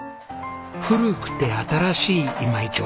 古くて新しい今井町。